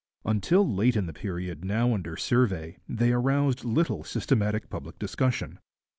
Until late in the period now under survey they aroused little systematic public discussion.